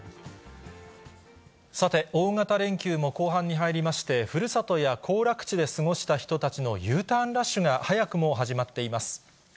さて、大型連休も後半に入りまして、ふるさとや行楽地で過ごした人たちのＵターンラッシュが早くも始まっています。